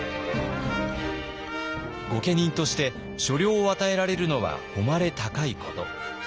御家人として所領を与えられるのは誉れ高いこと。